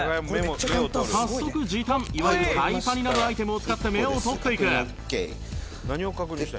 早速時短いわゆるタイパになるアイテムを使って芽を取っていく